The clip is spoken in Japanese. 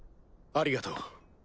ありがとう。